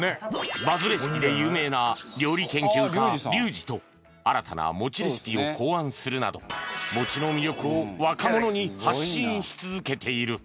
バズレシピで有名な料理研究家リュウジと新たなもちレシピを考案するなどもちの魅力を若者に発信し続けている